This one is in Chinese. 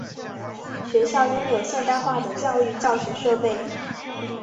学校拥有现代化的教育教学设备。